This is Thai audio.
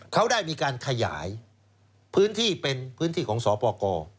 เขาได้มีการขยายพื้นที่เป็นพื้นที่ของสปกร